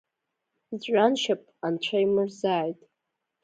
Иҵәҩаншьап анцәа имырӡааит!